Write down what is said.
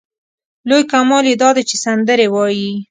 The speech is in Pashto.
لوی کمال یې دا دی چې سندرې وايي.